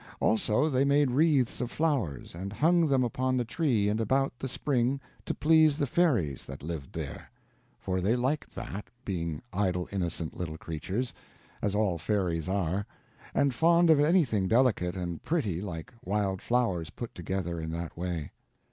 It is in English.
Also they made wreaths of flowers and hung them upon the tree and about the spring to please the fairies that lived there; for they liked that, being idle innocent little creatures, as all fairies are, and fond of anything delicate and pretty like wild flowers put together in that way.